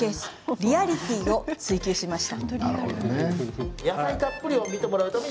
リアリティーを追求しました。